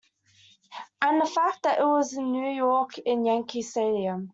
And the fact that it was in New York in Yankee Stadium.